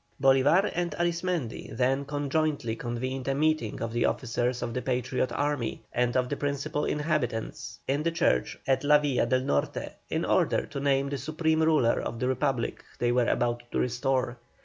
Bolívar and Arismendi then conjointly convened a meeting of the officers of the Patriot army, and of the principal inhabitants, in the church at La Villa del Norte, in order to name the supreme ruler of the Republic they were about to restore.